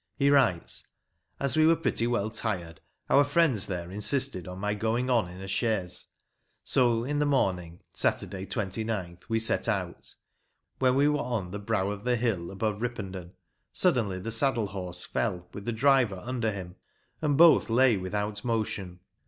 He writes : As we were pretty well tired, our friends there insisted on my going on in a chaise. So in the morning, Saturday, 2gth, we set out. When we wefe on the brow of the hill above Ripponden, suddenly the saddle horse fell, with the driver under him, and both lay without motion.